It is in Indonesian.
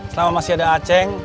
selama masih ada aceng